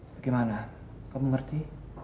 bagaimana kamu mengerti